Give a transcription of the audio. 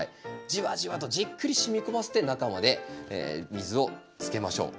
じわじわとじっくり染み込ませて中まで水をつけましょう。